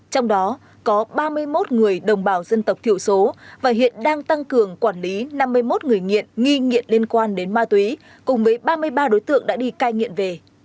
trong đó có ba mươi một người đồng bào dân tộc thiểu số và hiện đang tăng cường quản lý năm mươi một người nghiện nghi nghiện liên quan đến ma túy cùng với ba mươi ba đối tượng đã đi cai nghiện về